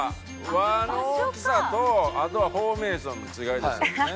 輪の大きさとあとはフォーメーションの違いでしょうね。